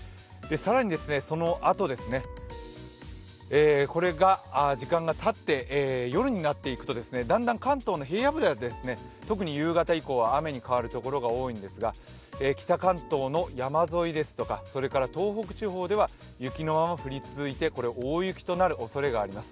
更にそのあと、これが時間がたって夜になっていくとだんだん関東の平野部では特に夜になって雨に変わるところが多いんですが北関東の山沿いですとかそれから東北地方では雪のまま降り続いて大雪となるおそれがあります。